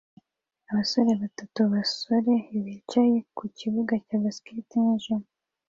abasore batatu b'abasore bicaye ku kibuga cya basketball nijoro